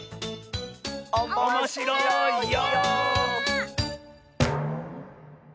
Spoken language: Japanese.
おもしろいよ！